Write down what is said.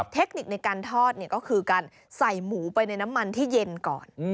เทคนิคในการทอดก็คือการใส่หมูไปในน้ำมันที่เย็นก่อน